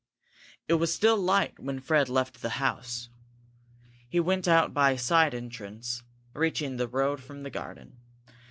It was still light when Fred left the house. He went out by a side entrance, reaching the road from the garden.